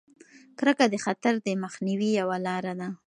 کرکه د خطر د مخنیوي یوه لاره ده.